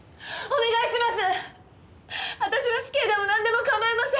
お願いします！